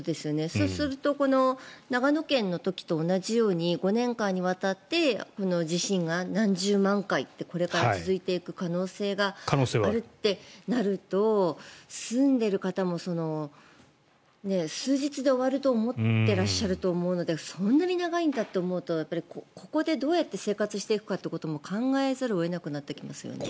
そうすると、長野県の時と同じように５年間にわたって地震が何十万回ってこれから続いていく可能性があるとなると住んでいる方も数日で終わると思ってらっしゃると思うのでそんなに長いんだって思うとここでどうやって生活していくかということも考えざるを得なくなってきますよね。